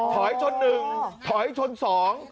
ถอยชน๑ถอยชน๒